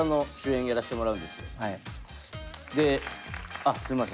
あっすんません